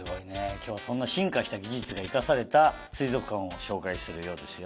今日はそんな進化した技術が生かされた水族館を紹介するようですよ。